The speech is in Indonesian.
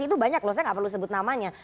itu banyak loh saya nggak perlu sebut namanya